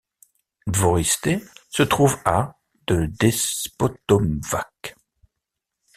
Dvorište se trouve à de Despotovac.